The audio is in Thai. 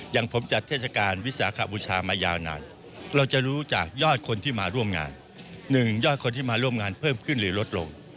ยอดคนที่มาร่วมงานหนึ่งยอดคนที่มาร่วมงานเพิ่มขึ้นหรือลดลง